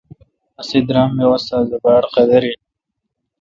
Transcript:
اسی درام می استادہ باڑقدر این